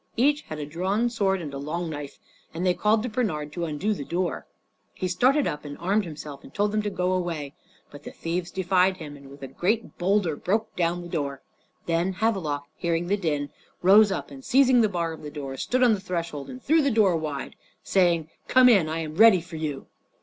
Each had a drawn sword and a long knife, and they called to Bernard to undo the door. He started up and armed himself, and told them to go away. But the thieves defied him, and with a great boulder broke down the door. Then Havelok, hearing the din, rose up, and seizing the bar of the door stood on the threshold and threw the door wide open, saying, "Come in, I am ready for you!"